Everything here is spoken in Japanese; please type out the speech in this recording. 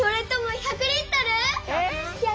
１００Ｌ！